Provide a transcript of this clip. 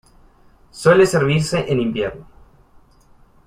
Suele servirse en invierno.